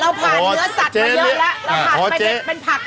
เราผ่านเนื้อสัตว์มาเยอะนะ